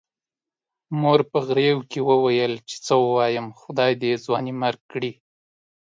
مور په غريو کې وويل چې څه ووايم، خدای دې ځوانيمرګ کړي.